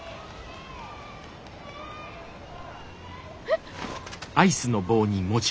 えっ。